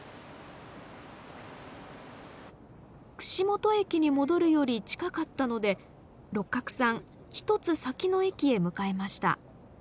串本駅に戻るより近かったので六角さん１つ先の駅へ向かいました。